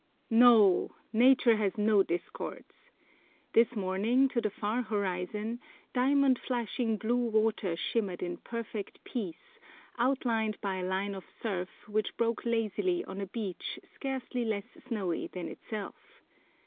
NO! Nature has no discords. This morning, to the far horizon, diamond flashing blue water shimmered in perfect peace, outlined by a line of surf which broke lazily on a beach scarcely less snowy than itself.